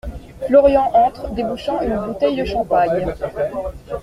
Florian entre, débouchant une bouteille de champagne.